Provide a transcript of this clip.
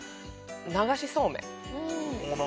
流しそうめんね